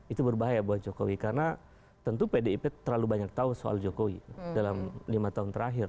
itu berbahaya buat jokowi karena tentu pdip terlalu banyak tahu soal jokowi dalam lima tahun terakhir